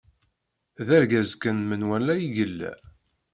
D argaz kan n menwala i yella.